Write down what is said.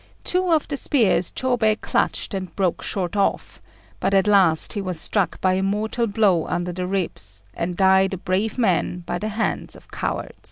Two of the spears Chôbei clutched and broke short off; but at last he was struck by a mortal blow under the ribs, and died a brave man by the hands of cowards.